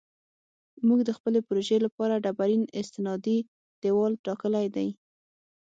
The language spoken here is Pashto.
موږ د خپلې پروژې لپاره ډبرین استنادي دیوال ټاکلی دی